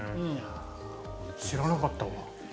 知らなかったわ。